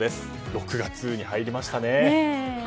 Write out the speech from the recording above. ６月に入りましたね。